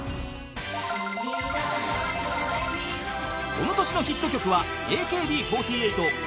［この年のヒット曲はＡＫＢ４８嵐